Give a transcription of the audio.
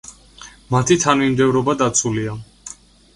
მათი თანმიმდევრობა დაცულია.